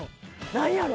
何やろ？